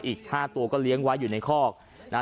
อีกห้าตัวก็เลี้ยงไว้อยู่ในคอกนะฮะ